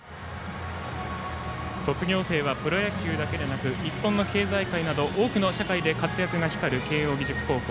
卒業生はプロ野球だけでなく日本の経済界など多くの社会で活躍が光る慶応義塾高校。